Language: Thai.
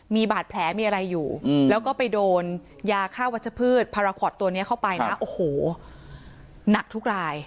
มีบาดแผลมีอะไรอยู่แล้วก็ไปโดนยาฆ่าวัชพืชพาราคอตตัวนี้เข้าไปนะโอ้โหหนักทุกราย